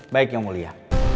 baik yang mulia